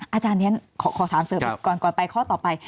อาจารย์เนี่ยขอถามเสิร์ฟก่อนไปข้อต่อไป